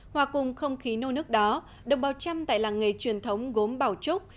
hòa cùng không khí nô nước đó đồng bào trăm tại làng nghề truyền thống gốm bảo trúc